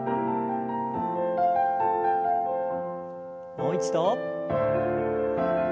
もう一度。